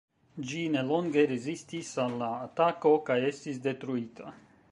Ĝi nelonge rezistis al la atako kaj estis detruita.